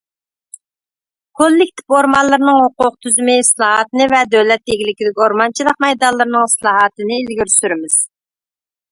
كوللېكتىپ ئورمانلىرىنىڭ ھوقۇق تۈزۈمى ئىسلاھاتىنى ۋە دۆلەت ئىلكىدىكى ئورمانچىلىق مەيدانلىرىنىڭ ئىسلاھاتىنى ئىلگىرى سۈرىمىز.